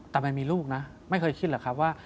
แต่มันมีลูกนะไม่เคยคิดหรอกครับว่า